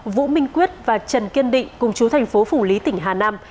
vũ minh quyết và trần kiên định cùng chú thành phố phủ lý tỉnh hà nam